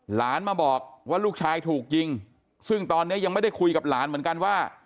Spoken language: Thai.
หลานมาบอกว่าลูกชายถูกยิงซึ่งตอนนี้ยังไม่ได้คุยกับหลานเหมือนกันว่า